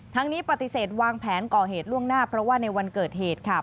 นี้ปฏิเสธวางแผนก่อเหตุล่วงหน้าเพราะว่าในวันเกิดเหตุค่ะ